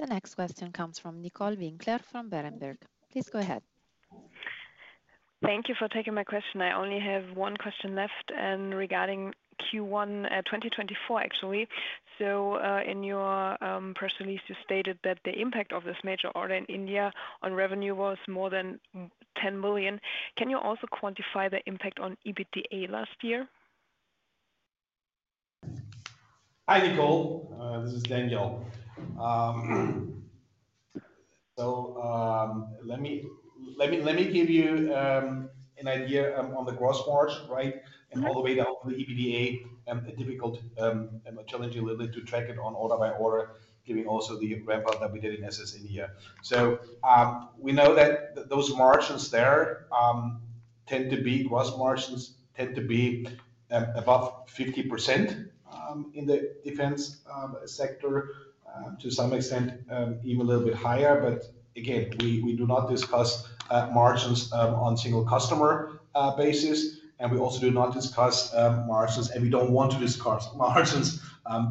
Speaker 1: The next question comes from Nicole Winkler from Berenberg. Please go ahead.
Speaker 8: Thank you for taking my question. I only have one question left regarding Q1 2024, actually. In your press release, you stated that the impact of this major order in India on revenue was more than 10 million. Can you also quantify the impact on EBITDA last year?
Speaker 3: Hi, Nicole. This is Daniel. Let me give you an idea on the gross margin, right, and all the way down to the EBITDA. It is difficult and challenging a little bit to track it on order by order, giving also the ramp-up that we did in SS India. We know that those margins there tend to be gross margins tend to be above 50% in the defense sector, to some extent, even a little bit higher. Again, we do not discuss margins on a single customer basis. We also do not discuss margins, and we do not want to discuss margins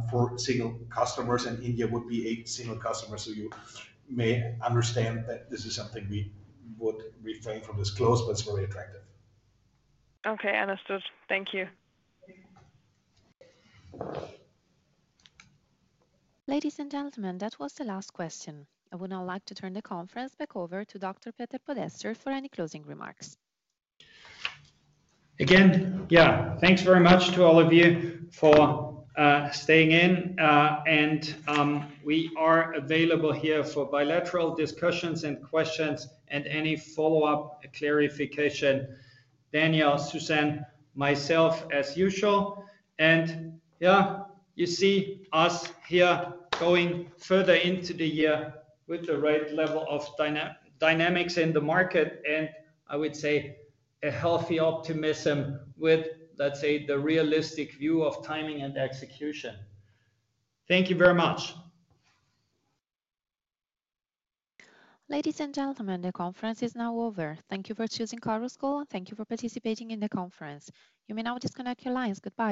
Speaker 3: for single customers. India would be a single customer. You may understand that this is something we would refrain from disclosing, but it is very attractive.
Speaker 8: Okay. Understood. Thank you.
Speaker 1: Ladies and gentlemen, that was the last question. I would now like to turn the conference back over to Dr. Peter Podesser for any closing remarks.
Speaker 2: Again, thanks very much to all of you for staying in. We are available here for bilateral discussions and questions and any follow-up clarification. Daniel, Susan, myself, as usual. Yeah, you see us here going further into the year with the right level of dynamics in the market and, I would say, a healthy optimism with, let's say, the realistic view of timing and execution. Thank you very much.
Speaker 1: Ladies and gentlemen, the conference is now over. Thank you for choosing Clarus School, and thank you for participating in the conference. You may now disconnect your lines. Good.